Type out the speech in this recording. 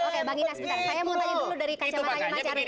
saya mau tanya dulu dari kacamata yang macet